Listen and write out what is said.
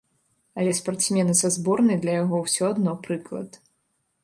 Але спартсмены са зборнай для яго ўсё адно прыклад.